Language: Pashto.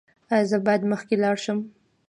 ایا زه باید مخکې لاړ شم؟